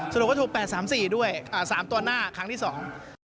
สรุปก็ถูก๘๓๔ด้วย๓ตัวหน้าครั้งที่สอง